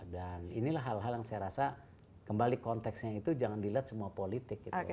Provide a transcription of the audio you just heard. dan inilah hal hal yang saya rasa kembali konteksnya itu jangan dilihat semua politik gitu